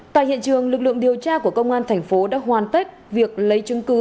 tại hiện trường lực lượng điều tra của công an thành phố đã hoàn tất việc lấy chứng cứ